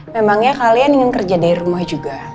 memangnya kalian ingin kerja dari rumah juga